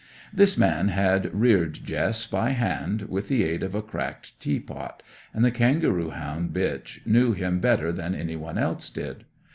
This man had reared Jess by hand, with the aid of a cracked tea pot; and the kangaroo hound bitch knew him better than any one else did.